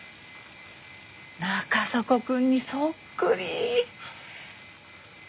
中迫くんにそっくり！